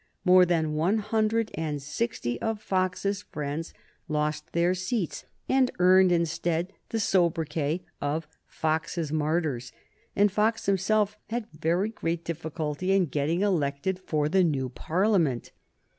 More than one hundred and sixty of Fox's friends lost their seats and earned instead the sobriquet of Fox's Martyrs, and Fox himself had very great difficulty in getting elected for the new Parliament.